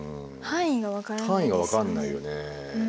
範囲が分かんないよね。